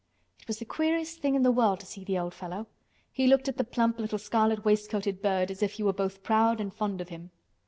It was the queerest thing in the world to see the old fellow. He looked at the plump little scarlet waistcoated bird as if he were both proud and fond of him.